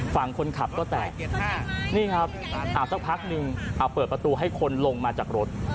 ฝั่งคนขับก็แตกนี่ครับสักพักนึงเอาเปิดประตูให้คนลงมาจากรถ